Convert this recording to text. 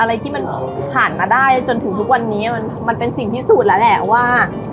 อะไรที่มันผ่านมาได้จนถึงทุกวันนี้มันเป็นสิ่งพิสูจน์แล้วแหละว่า